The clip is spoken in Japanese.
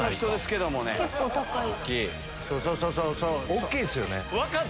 大きいですよね。